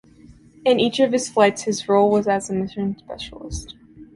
In each of his flights, his role was as a mission specialist.